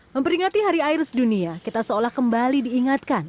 memperingati hari air sedunia kita seolah kembali diingatkan